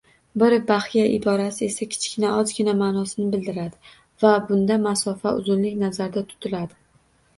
Bir baxya iborasi esa kichkina, ozgina maʼnosini bildiradi va bunda masofa, uzunlik nazarda tutiladi